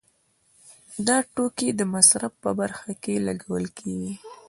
دا توکي د مصرف په برخه کې لګول کیږي.